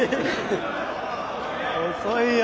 遅いよ。